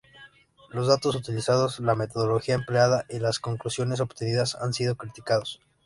Los datos utilizados, la metodología empleada y las conclusiones obtenidas han sido criticados.